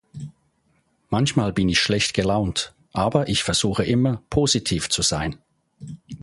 Manchmal bin ich schlecht gelaunt, aber ich versuche immer, positiv zu sein.